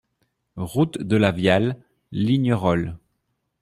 Route de la Viale, Lignerolles